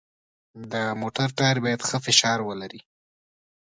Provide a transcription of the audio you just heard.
د موټر ټایر باید ښه فشار ولري.